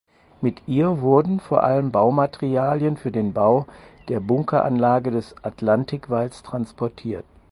Mit ihr wurden vor allem Baumaterialien für den Bau der Bunkeranlagen des Atlantikwalls transportiert.